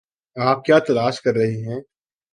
آپ کیا تلاش کر رہے ہیں؟